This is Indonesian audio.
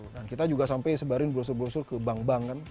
dan kita juga sampai sebarin brosur brosur ke bank bank kan